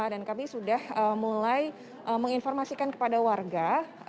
dan kami sudah mulai menginformasikan kepada warga